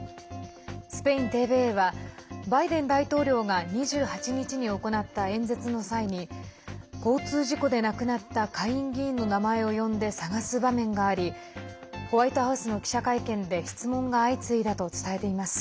スペインＴＶＥはバイデン大統領が２８日に行った演説の際に交通事故で亡くなった下院議員の名前を呼んで探す場面がありホワイトハウスの記者会見で質問が相次いだと伝えています。